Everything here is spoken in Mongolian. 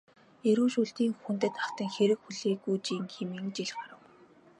Эрүү шүүлтийн хүндэд автан хэрэг хүлээгүүжин хэмээн жил харав.